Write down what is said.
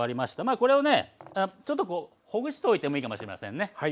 これをねちょっとこうほぐしておいてもいいかもしれませんね。